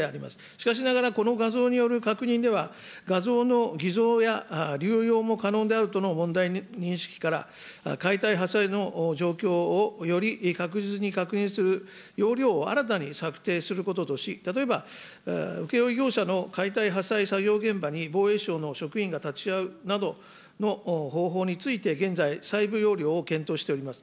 しかしながら、この画像による確認では、画像の偽造や流用も可能であるとの問題認識から、解体破砕の状況をより確実に確認する要領を新たに策定することとし、例えば、請け負い業者の解体破砕作業現場に防衛省の職員が立ち会うなどの方法について、現在、細部要領を検討しております。